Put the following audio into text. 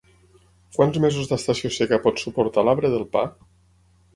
Quants mesos d'estació seca pot suportar l'arbre del pa?